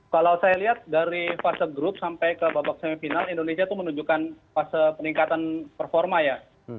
kalau saya lihat dari fase grup sampai ke babak semifinal indonesia itu menunjukkan fase peningkatan performa ya